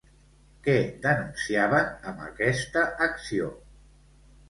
Què denunciaven amb aquesta acció?